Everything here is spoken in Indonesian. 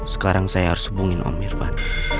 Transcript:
sekarang saya harus hubungin om irfan